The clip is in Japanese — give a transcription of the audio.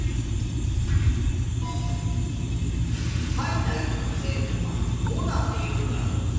いた息の成分はどうなっているんだろう？